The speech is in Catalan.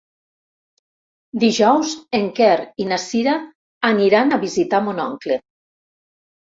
Dijous en Quer i na Cira aniran a visitar mon oncle.